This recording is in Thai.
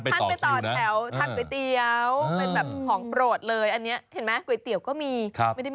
มีอัศวาลเราเห็นแล้วว่า